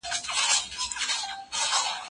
ککړتیا ناروغي راوړي.